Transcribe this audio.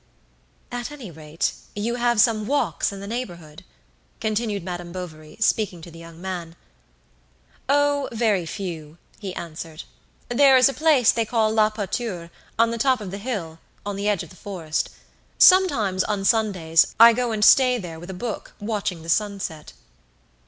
"At any rate, you have some walks in the neighbourhood?" continued Madame Bovary, speaking to the young man. "Oh, very few," he answered. "There is a place they call La Pâture, on the top of the hill, on the edge of the forest. Sometimes, on Sundays, I go and stay there with a book, watching the sunset."